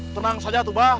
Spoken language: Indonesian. tenang saja tuh mbah